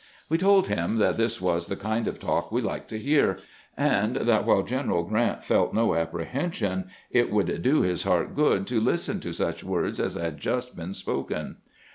We told him that this was the kind of talk we liked to hear, and that while General Grrant felt no apprehension, it would do his heart good to listen to such words as had just been spoken.